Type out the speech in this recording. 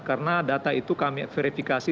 karena data itu kami verifikasi